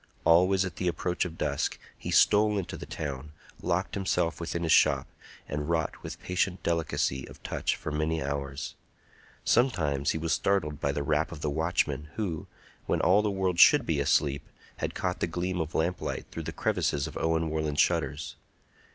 Always at the approach of dusk he stole into the town, locked himself within his shop, and wrought with patient delicacy of touch for many hours. Sometimes he was startled by the rap of the watchman, who, when all the world should be asleep, had caught the gleam of lamplight through the crevices of Owen Warland's shutters.